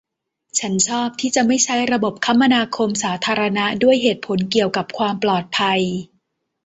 ฉันชอบที่จะไม่ใช้ระบบคมนาคมสาธารณะด้วยเหตุผลเกี่ยวกับความปลอดภัย